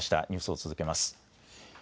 ニュースを続けます。